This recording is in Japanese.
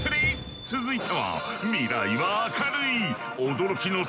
続いては。